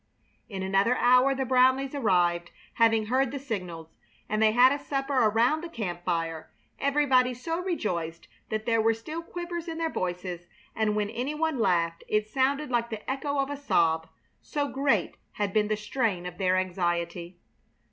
In another hour the Brownleighs arrived, having heard the signals, and they had a supper around the camp fire, everybody so rejoiced that there were still quivers in their voices; and when any one laughed it sounded like the echo of a sob, so great had been the strain of their anxiety.